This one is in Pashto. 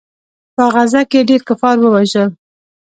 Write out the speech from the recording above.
په غزا کښې يې ډېر کفار ووژل.